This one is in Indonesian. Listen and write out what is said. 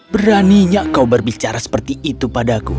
beraninya kau berbicara seperti itu padaku